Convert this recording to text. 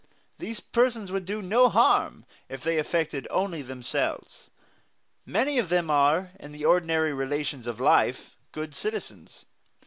These persons would do no harm if they affected only themselves. Many of them are, in the ordinary relations of life, good citizens.